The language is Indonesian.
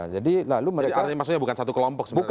jadi maksudnya bukan satu kelompok sebenarnya